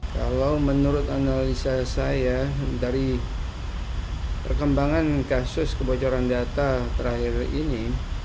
kalau menurut analisa saya dari perkembangan kasus kebocoran data terakhir ini